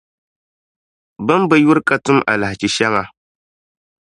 Bɛ ni bi yuri ka tum alahichi shɛŋa.